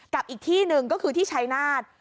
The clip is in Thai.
กับอีกที่หนึ่งก็คือที่ชายนาฏ